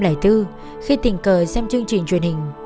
năm hai nghìn bốn khi tình cờ xem chương trình truyền hình